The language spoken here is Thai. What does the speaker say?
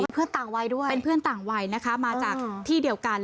เป็นเพื่อนต่างวัยนะคะมาจากที่เดียวกัน